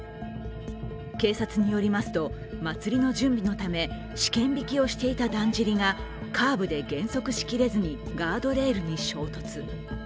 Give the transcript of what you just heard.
警察によりますと、祭りの準備のため、試験びきをしていただんじりがカーブで減速しきれずにガードレールに衝突。